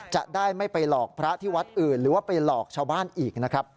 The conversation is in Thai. จะได้ไม่ไปหลอกพระที่วัดอื่นหรือว่าไปหลอกชาวบ้านอีกนะครับ